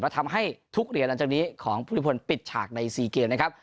และทำให้ทุกเหรียญหลังจากนี้ของพุทธิพลปิดฉากใน๔เกมนะครับ